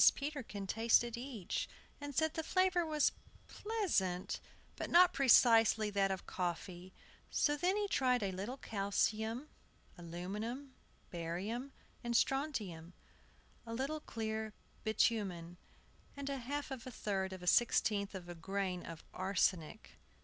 Peterkin tasted each, and said the flavor was pleasant, but not precisely that of coffee. So then he tried a little calcium, aluminum, barium, and strontium, a little clear bitumen, and a half of a third of a sixteenth of a grain of arsenic.